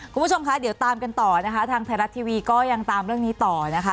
คุณผู้ชมคะเดี๋ยวตามกันต่อนะคะทางไทยรัฐทีวีก็ยังตามเรื่องนี้ต่อนะคะ